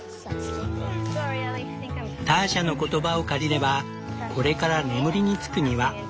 ターシャの言葉を借りれば「これから眠りにつく庭」。